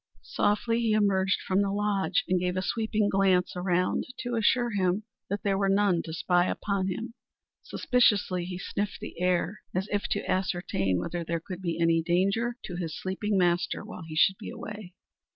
Softly he emerged from the lodge and gave a sweeping glance around to assure him that there were none to spy upon him. Suspiciously he sniffed the air, as if to ascertain whether there could be any danger to his sleeping master while he should be away.